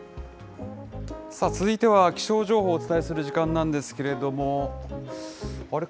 続いては、気象情報をお伝えする時間なんですけれども、あれ？